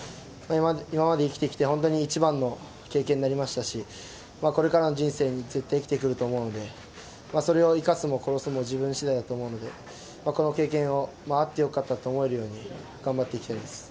今まで生きてきて、本当に一番の経験になりましたし、これからの人生に絶対生きてくると思うので、それを生かすも殺すも自分しだいだと思うので、この経験をあってよかったと思えるように、頑張っていきたいです。